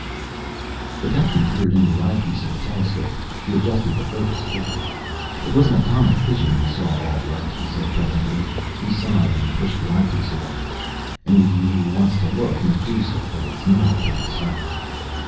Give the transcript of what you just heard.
_ The Captain peered into the eyepiece of the telescope. He adjusted the focus quickly. "It was an atomic fission we saw, all right," he said presently. He sighed and pushed the eyepiece away. "Any of you who wants to look may do so. But it's not a pretty sight."